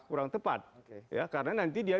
kurang tepat ya karena nanti dia